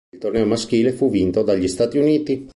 Il torneo maschile fu vinto dagli Stati Uniti.